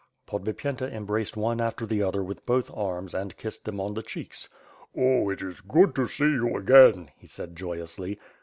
Podbiyenta embraced one after the other with both arms and kissed them on the cheeks. "Oh, it is good to see you again,*' he said joyously.